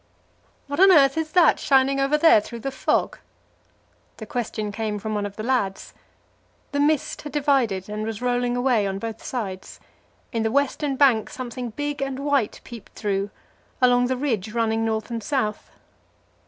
"What on earth is that shining over there through the fog?" The question came from one of the lads. The mist had divided, and was rolling away on both sides; in the western bank something big and white peeped through along ridge running north and south.